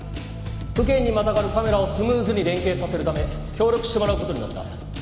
府県にまたがるカメラをスムーズに連携させるため協力してもらう事になった。